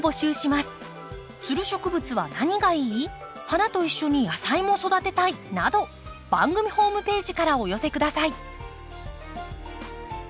花と一緒に野菜も育てたいなど番組ホームページからお寄せ下さい。